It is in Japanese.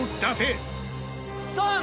ドン！